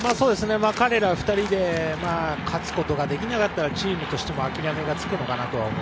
彼ら２人で勝つことができなかったらチームとしても諦めがつくのかな。